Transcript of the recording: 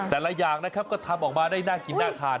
แต่ละอย่างก็ทำออกมาน่ากินน่าการ